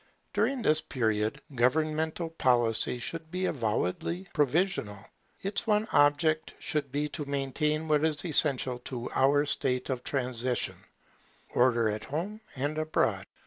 During this period governmental policy should be avowedly provisional; its one object should be to maintain what is so essential to our state of transition, Order, at home and abroad.